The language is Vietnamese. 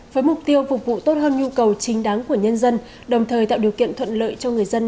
với mục tiêu phục vụ tốt hơn nhu cầu chính đáng của nhân dân đồng thời tạo điều kiện thuận lợi cho người dân